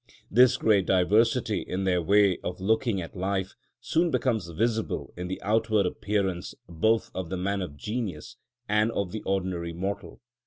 This great diversity in their way of looking at life soon becomes visible in the outward appearance both of the man of genius and of the ordinary mortal.